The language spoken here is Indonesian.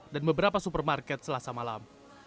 dan beberapa supermarket selasa malam